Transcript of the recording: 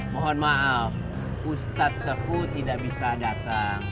mohon maaf ustadz sefud tidak bisa datang